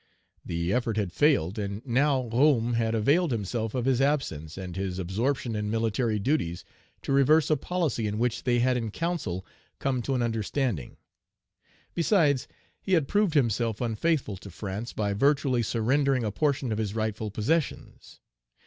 The effort had failed, and now Roume had availed himself of his absence, and his absorption in military duties, to reverse a policy in which they had in council come to an understanding. Besides, he had proved himself unfaithful to France, by virtually surrendering a portion of his rightful possessions.